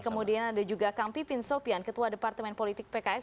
kemudian ada juga kang pipin sopian ketua departemen politik pks